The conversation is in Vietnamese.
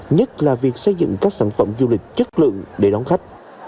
nhất là việc xây dựng các sản phẩm du lịch chất lượng để đón khách